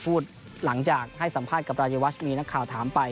หลังจากให้สัมภาษณ์กับรายวัชมีนักข่าวถามไป